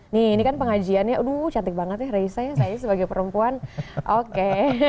nih ini kan pengajiannya aduh cantik banget ya raisa ya saya sebagai perempuan oke